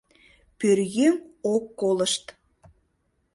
Пӧръеҥ ок колышт.